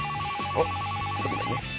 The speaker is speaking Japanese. あっちょっとごめんね。